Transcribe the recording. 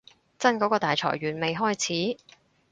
真嗰個大裁員未開始